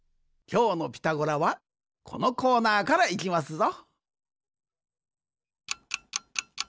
きょうの「ピタゴラ」はこのコーナーからいきますぞ。